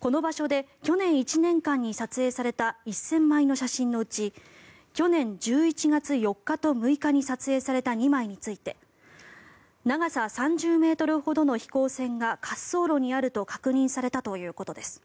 この場所で去年１年間に撮影された１０００枚の写真のうち去年１１月４日と６日に撮影された２枚について長さ３０ｍほどの飛行船が滑走路にあると確認されたということです。